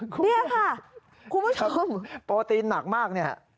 ประวัติศาสตรีนหนักมาก